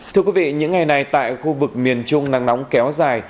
thưa quý vị những ngày này tại khu vực miền trung nắng nóng kéo dài